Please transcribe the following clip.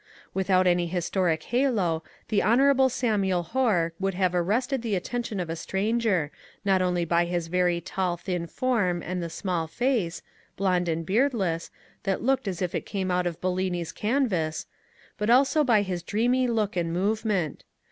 Without any historic halo the Hon. Samuel Hoar would have arrested the attention of a stranger, not only by his very tall thin form and the small face — blond and beard less — that looked as if come out of Bellini's canvas, but also by his dreamy look and movement.